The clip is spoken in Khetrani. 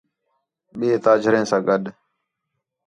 ٻئے تاجریں سا گݙ